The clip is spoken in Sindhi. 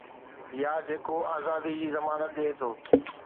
يا جيڪو آزادي جي ضمانت ڏئي ٿو